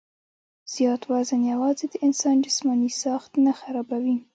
زيات وزن يواځې د انسان جسماني ساخت نۀ خرابوي